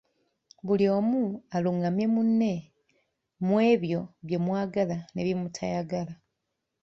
Buli omu alungamye munne mu ebyo bye mwagala ne byemutayagala.